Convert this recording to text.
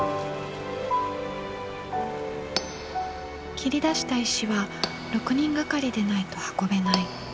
切り出した石は６人がかりでないと運べない。